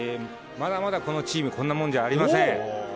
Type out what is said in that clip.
まだまだこのチーム、こんなものじゃありません。